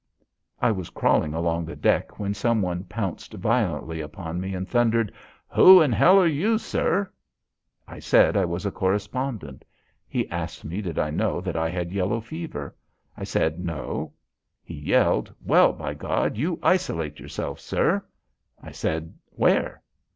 I was crawling along the deck when somebody pounced violently upon me and thundered: "Who in hell are you, sir?" I said I was a correspondent. He asked me did I know that I had yellow fever. I said No. He yelled, "Well, by Gawd, you isolate yourself, sir." I said; "Where?"